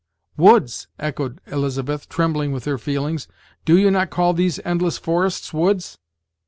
"Woods!" echoed Elizabeth, trembling with her feelings; "do you not call these endless forests woods?"